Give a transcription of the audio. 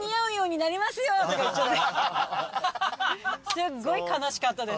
すっごい悲しかったです。